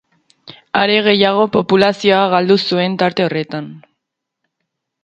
Are gehiago, populazioa galdu zuen tarte horretan.